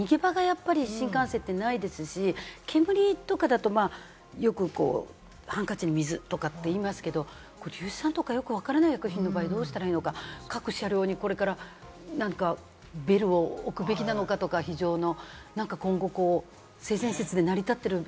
逃げ場が新幹線ってないですし、煙とかだと、よくハンカチに水とかって言いますけれども、硫酸とかよくわからない薬品の場合、どうしたらいいのか各車両にこれからベルを置くべきなのかとか、非常の。